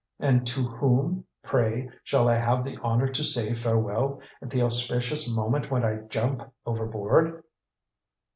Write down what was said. "And to whom, pray, shall I have the honor to say farewell, at the auspicious moment when I jump overboard?"